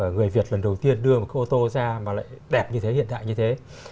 người việt lần đầu tiên đưa một cái ô tô ra mà lại đẹp như thế hiện đại như thế